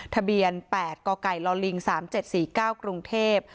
ทะเบียนแปดก่อก่ายลอลลิงสามเจ็ดสี่เก้ากรุงเทพฯ